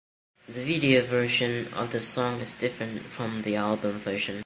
The video version of the song is different from the album version.